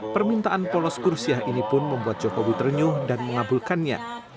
permintaan polos kursiah ini pun membuat jokowi ternyuh dan mengabulkannya